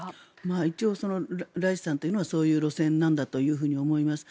一応、ライシさんはそういう路線なんだと思います。